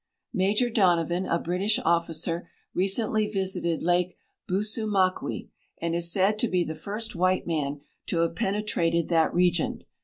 iMajor Donovan, a British officer, recently visited lake Busumakwe and is said to be the first white man to have jienetrated that region.